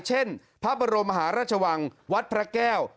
เช่นพระบรมมหาราชวังวัดพระแก้ว